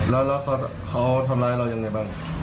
แล้วเขาทำร้ายเรายังไงบ้าง